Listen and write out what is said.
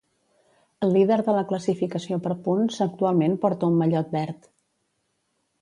El líder de la classificació per punts actualment porta un mallot verd.